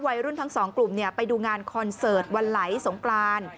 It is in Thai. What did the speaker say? วัยรุ่นทั้งสองกลุ่มไปดูงานคอนเสิร์ตวันไหลสงกราน